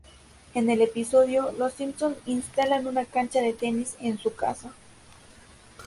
En el episodio, los Simpson instalan una cancha de tenis en su casa.